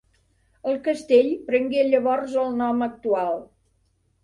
El castell prengué llavors el nom actual.